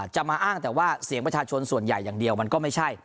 จะมาอ้างแต่ว่าเสียงประชาชนส่วนใหญ่อย่างเดียวมันก็ไม่ใช่